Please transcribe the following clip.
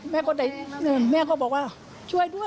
แม่ก็ได้แม่ก็บอกว่าช่วยด้วย